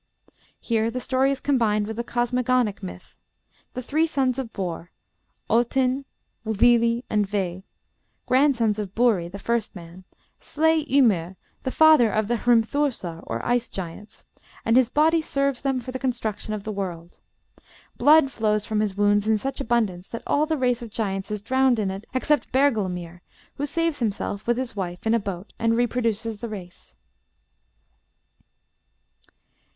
Here the story is combined with a cosmogonic myth. The three sons of Borr Othin, Wili, and We grandsons of Buri, the first man, slay Ymir, the father of the Hrimthursar, or ice giants, and his body serves them for the construction of the world. Blood flows from his wounds in such abundance that all the race of giants is drowned in it except Bergelmir, who saves himself, with his wife, in a boat, and reproduces the race.